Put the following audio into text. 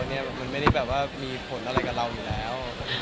มันไม่ได้แบบว่ามีผลอะไรกับเราอยู่แล้ว